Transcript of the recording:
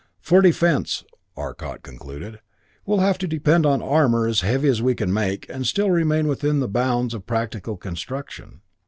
"For defense," Arcot concluded, "we'll have to depend on armor as heavy as we can make and still remain within the bounds of practical construction.